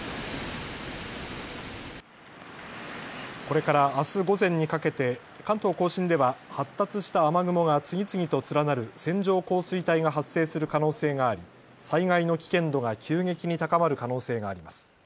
これからあす午前にかけて関東甲信では発達した雨雲が次々と連なる線状降水帯が発生する可能性があり災害の危険度が急激に高まる可能性があります。